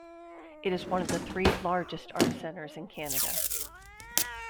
It is one of the three largest arts centres in Canada.